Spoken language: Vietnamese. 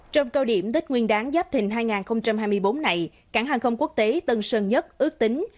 trong cao điểm tết nguyên đáng giáp thịnh hai nghìn hai mươi bốn này cảng hàng không quốc tế tân sơn nhất ước tính